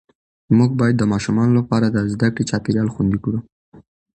موږ باید د ماشومانو لپاره د زده کړې چاپېریال خوندي کړو